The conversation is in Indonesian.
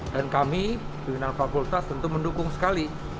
dan kami pimpinan fakultas tentu mendukung sekali